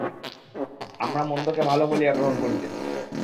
আমরা মন্দকে ভাল বলিয়া গ্রহণ করিতেছি।